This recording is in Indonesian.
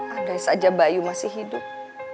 andai saja bayu masih hidup